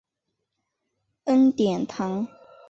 恩典堂。